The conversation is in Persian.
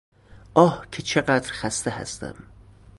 آه که چقدر خسته هستم!